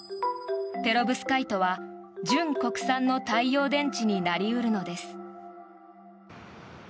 ペロブスカイトは純国産の太陽電池になり得るのです。